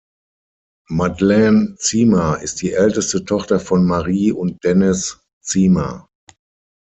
Madeline Zima ist die älteste Tochter von Marie und Dennis Zima.